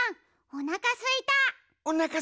おなかすいた！